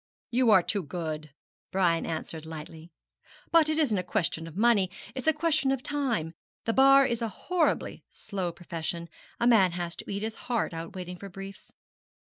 'You are too good,' Brian answered lightly; 'but it isn't a question of money it's a question of time. The Bar is a horribly slow profession. A man has to eat his heart out waiting for briefs.'